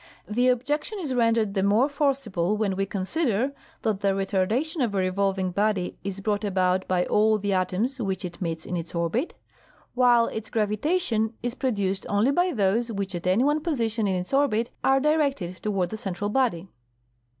The objection is rendered the more forcible when we consider that the retardation of a revolving body is brought about by all the atoms which it meets in its orbit, while its gravitation is produced only by those which at any one position in its orbit are directed toward the central body.